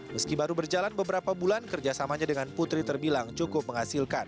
meski baru berjalan beberapa bulan kerjasamanya dengan putri terbilang cukup menghasilkan